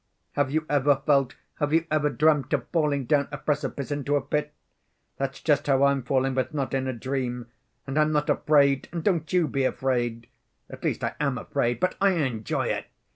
Have you ever felt, have you ever dreamt of falling down a precipice into a pit? That's just how I'm falling, but not in a dream. And I'm not afraid, and don't you be afraid. At least, I am afraid, but I enjoy it.